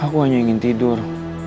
aku hanya ingin tidur